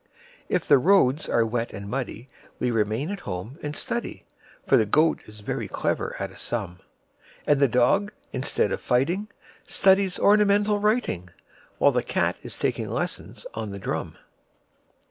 If the roads are wet and muddyWe remain at home and study,—For the Goat is very clever at a sum,—And the Dog, instead of fighting, Studies ornamental writing, While the Cat is taking lessons on the drum.